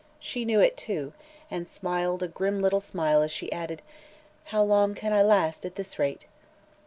She knew it, too, and smiled a grim little smile as she added: "How long can I last, at this rate?"